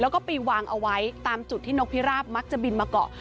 แล้วก็ไปวางเอาไว้ตามจุดที่นกพิราบมักจะบินมาเกาะ